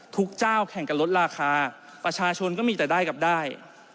ทุกเจ้าแข่งกันลดราคาประชาชนก็มีแต่ได้กับได้